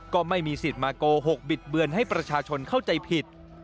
ก็ไม่มีสิทธิ์มาโกหกบิดเบือนให้ประชาชนเข้าใจผิด